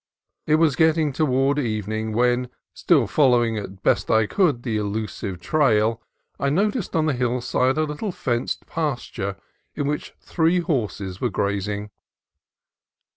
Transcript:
It was getting toward evening when, still follow ing as best I could the elusive trail, I noticed on the hillside a little fenced pasture in which three horses were grazing.